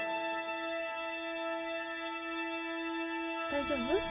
大丈夫？